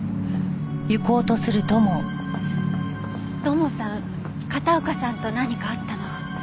土門さん片岡さんと何かあったの？